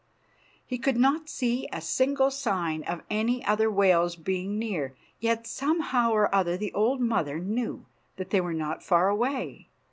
He could not see a single sign of any other whales being near. Yet somehow or other the old mother knew that they were not far away.